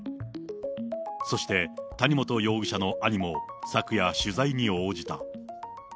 そして、谷本容疑者の兄も昨夜、取材に応じた。